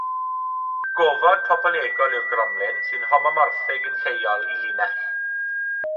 Gofod topolegol yw'r gromlin, sy'n homomorffig, yn lleol, i linell.